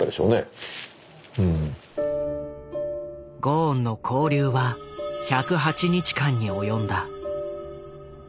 ゴーンの勾留は１０８日間に及んだ。